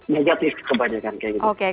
negatif kebanyakan kayak gitu